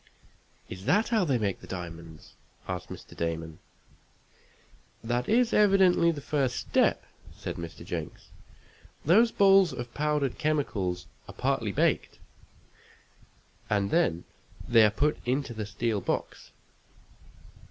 "Is that how they make the diamonds?" asked Mr. Damon. "That is evidently the first step," said Mr. Jenks. "Those balls of powdered chemicals are partly baked, and then they are put into the steel box.